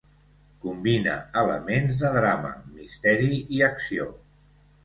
Combina elements de drama, misteri i acció.